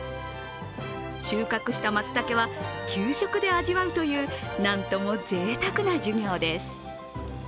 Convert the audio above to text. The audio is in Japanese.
収穫したまつたけは給食で味わうという、なんともぜいたくな授業です。